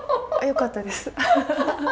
よかったです。